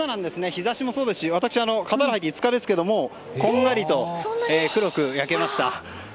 日差しもそうですし私、カタール入って５日ですがこんがりと黒く焼けました。